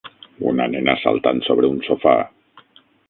Una nena saltant sobre un sofà.